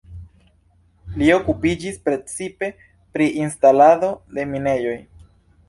Li okupiĝis precipe pri instalado de minejoj.